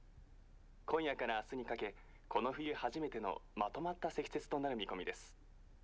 今夜から明日にかけこの冬初めてのまとまった積雪となる見込みです。